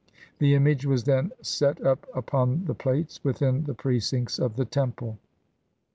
The image was then set up upon the plates, within the precincts of the temple.